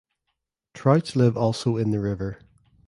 Trouts live also in the river.